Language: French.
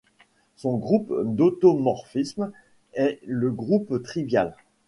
Son groupe d'automorphismes est le groupe trivial.